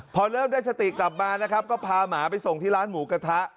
พอเริ่มได้สติกลับมานะครับก็พาหมาไปส่งที่ร้านหมูกระทะ